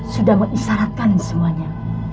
sudah mengisaratkan semuanya